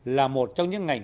là một trong những ngành